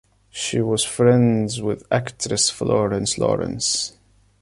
She was friends with actress Florence Lawrence.